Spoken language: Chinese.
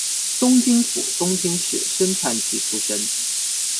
东京府东京市深川区出身。